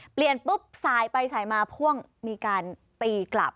เปลี่ยนปุ๊บสายไปสายมาพ่วงมีการตีกลับ